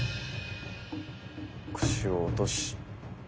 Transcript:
腰を落とし。